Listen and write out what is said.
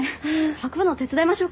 運ぶの手伝いましょうか？